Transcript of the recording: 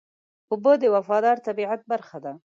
اوبه د وفادار طبیعت برخه ده.